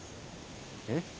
えっ？